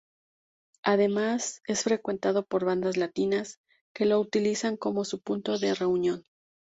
Además es frecuentado por bandas latinas, que lo utilizan como su punto de reunión.